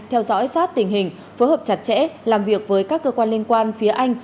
theo dõi sát tình hình phối hợp chặt chẽ làm việc với các cơ quan liên quan phía anh